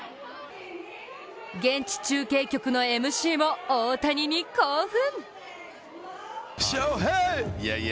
現地中継局のＭＣも大谷に興奮。